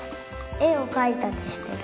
えをかいたりしてる。